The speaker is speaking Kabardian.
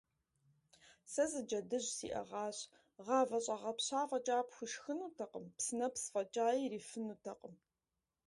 - Сэ зы джэдыжь сиӀэгъащ, гъавэ щӀэгъэпща фӀэкӀа пхуишхынутэкъым, псынэпс фӀэкӀаи ирифынутэкъым.